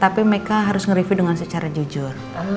tapi mereka harus nge review dengan secara jujur